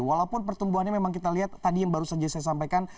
walaupun pertumbuhannya memang kita lihat tadi yang baru saja saya sampaikan